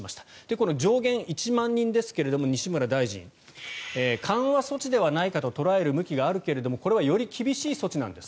この上限１万人ですが西村大臣緩和措置ではないかと捉える向きがあるけれどもこれはより厳しい措置なんです。